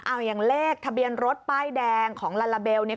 เอาอย่างเลขทะเบียนรถป้ายแดงของลาลาเบลเนี่ย